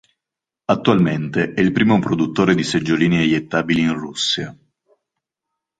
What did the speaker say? Attualmente è il primo produttore di seggiolini eiettabili in Russia.